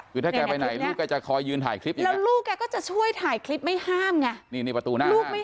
คือถ้าแกไปไหนลูกแกจะคอยยืนถ่ายคลิปอย่างไร